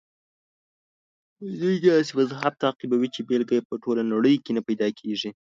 دوی داسې مذهب تعقیبوي چې بېلګه یې په ټوله نړۍ کې نه پیدا کېږي.